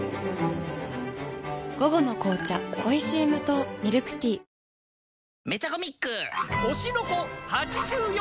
午後の紅茶おいしい無糖ミルクティー面接か。